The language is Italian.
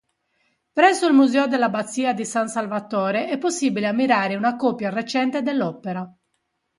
Presso il museo dell'abbazia di San Salvatore è possibile ammirare una copia recente dell'opera.